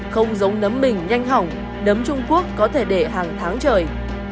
không giống nấm mình nhanh hỏng nấm trung quốc có thể để hàng tháng trời